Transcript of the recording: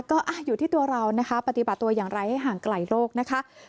ก็อยู่ที่ตัวเรานะคะปฏิบัติตัวอย่างไรให้ห่างไกลโรคนะคะ